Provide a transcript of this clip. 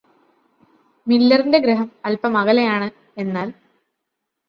മില്ലെറിന്റെ ഗ്രഹം അല്പം അകലയാണ് എന്നാല്